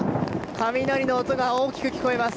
雷の音が大きく聞こえます。